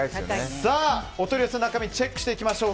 お取り寄せの中身をチェックしていきましょう。